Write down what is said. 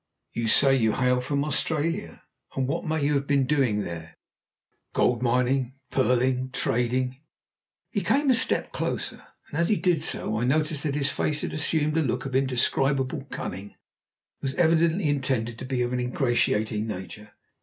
You say you hail from Australia? And what may you have been doing there?" "Gold mining pearling trading!" He came a step closer, and as he did so I noticed that his face had assumed a look of indescribable cunning, that was evidently intended to be of an ingratiating nature.